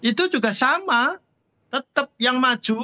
itu juga sama tetap yang maju